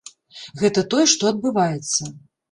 Гэта тое, што адбываецца.